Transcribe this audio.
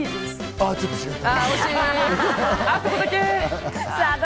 あっ、ちょっと違った。